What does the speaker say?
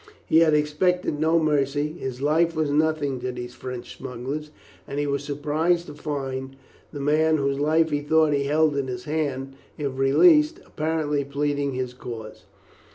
He had expected no mercy; his life was nothing to these French smugglers; and he was surprised to find the man, whose life he thought he held in his hand if released, apparently pleading his cause.